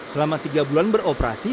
selama tiga bulan beroperasi